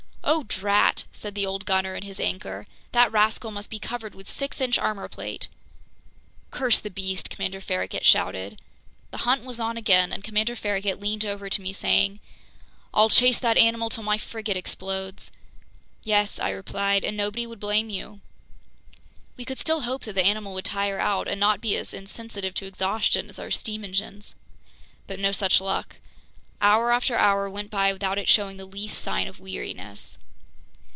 "Oh drat!" said the old gunner in his anger. "That rascal must be covered with six inch armor plate!" "Curse the beast!" Commander Farragut shouted. The hunt was on again, and Commander Farragut leaned over to me, saying: "I'll chase that animal till my frigate explodes!" "Yes," I replied, "and nobody would blame you!" We could still hope that the animal would tire out and not be as insensitive to exhaustion as our steam engines. But no such luck. Hour after hour went by without it showing the least sign of weariness.